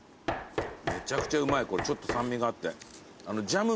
めちゃくちゃうまいこれちょっと酸味があって。